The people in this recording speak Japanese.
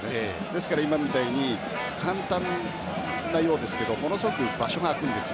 ですから、今みたいに簡単なようですけどものすごく場所が空くんです。